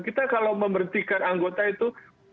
kita kalau memberhentikan anggota itu